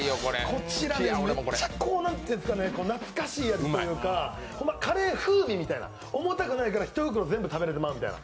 こちら、めっちゃ懐かしい味というか、カレー風味みたいな、重たくないから１袋全部食べてまうから。